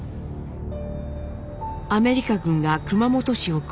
アメリカ軍が熊本市を空襲。